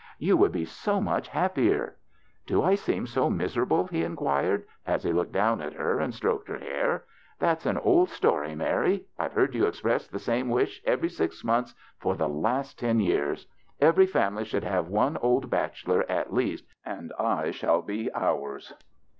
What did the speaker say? " You would be so much happier." '' Do I seem so miserable ?" he inquired, as he looked down at her and stroked her hair. "That's an old story, Mary. I've heard you express the same wish every six months for the last ten years. Every family should have one old bachelor, at least, and I shall be ours."